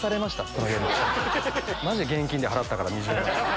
マジで現金で払ったから２０万。